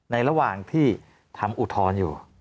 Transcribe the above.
ระหว่างที่ทำอุทธรณ์อยู่